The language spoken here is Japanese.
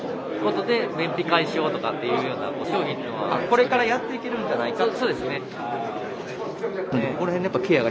これからやっていけるんじゃないかと。